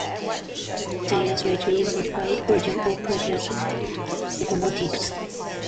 They are slightly modified version of previous locomotives.